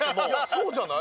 そうじゃない？